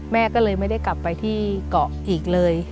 แม่ก็เลยไม่ได้กลับไปที่เกาะอีกเลย